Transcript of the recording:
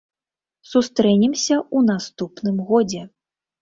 Сустрэнемся ў наступным годзе!